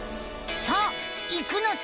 さあ行くのさ！